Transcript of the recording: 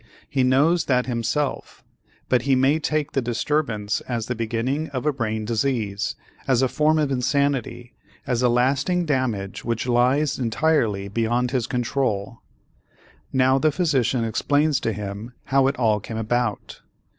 He knows that himself, but he may take the disturbance as the beginning of a brain disease, as a form of insanity, as a lasting damage which lies entirely beyond his control. Now the physician explains to him how it all came about.